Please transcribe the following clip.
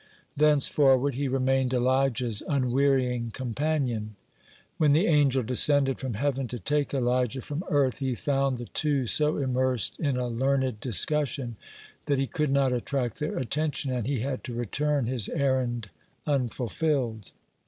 Thenceforward he remained Elijah's unwearying companion. When the angel descended from heaven to take Elijah from earth, he found the two so immersed in a learned discussion that he could not attract their attention, and he had to return, his errand unfulfilled.